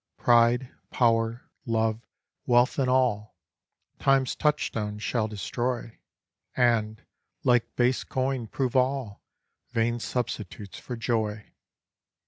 Pride, power, love, wealth and all, Time's touchstone shall destroy, And, like base coin, prove all Vain substitutes for joy.